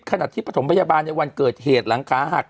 ขณะที่ประถมพยาบาลในวันเกิดเหตุหลังขาหัก